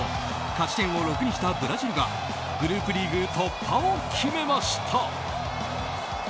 勝ち点を６にしたブラジルがグループリーグ突破を決めました。